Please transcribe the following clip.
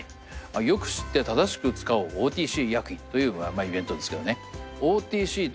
よく知って、正しく使おうＯＴＣ医薬品というイベントですけどね。